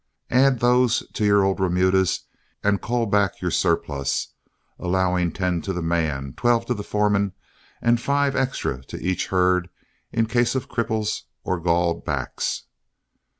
Add those to your old remudas, and cull back your surplus, allowing ten to the man, twelve to the foreman, and five extra to each herd in case of cripples or of galled backs.